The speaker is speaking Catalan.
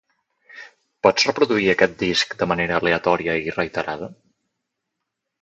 Pots reproduir aquest disc de manera aleatòria i reiterada?